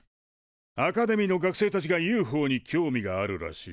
アカデミーの学生たちがＵＦＯに興味があるらしい。